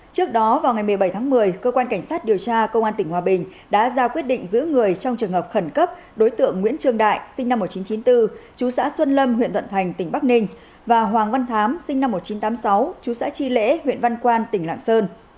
trước đó vào ngày một mươi bảy tháng một mươi cơ quan cảnh sát điều tra công an tỉnh hòa bình đã ra quyết định giữ người trong trường hợp khẩn cấp đối tượng nguyễn trương đại sinh năm một nghìn chín trăm chín mươi bốn chú xã xuân lâm huyện thuận thành tỉnh bắc ninh và hoàng văn thám sinh năm một nghìn chín trăm tám mươi sáu chú xã tri lễ huyện văn quan tỉnh lạng sơn